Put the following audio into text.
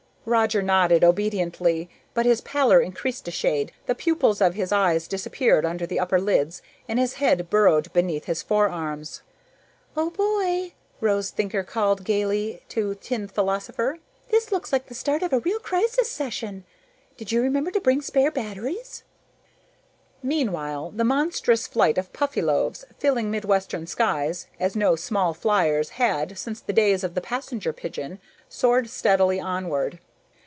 Roger nodded obediently. But his pallor increased a shade, the pupils of his eyes disappeared under the upper lids, and his head burrowed beneath his forearms. "Oh, boy," Rose Thinker called gayly to Tin Philosopher, "this looks like the start of a real crisis session! Did you remember to bring spare batteries?" Meanwhile, the monstrous flight of Puffyloaves, filling midwestern skies as no small fliers had since the days of the passenger pigeon, soared steadily onward.